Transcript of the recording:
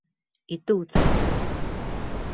一肚子火